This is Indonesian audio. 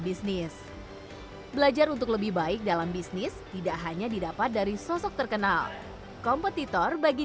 bisnis belajar untuk lebih baik dalam bisnis tidak hanya didapat dari sosok terkenal kompetitor bagi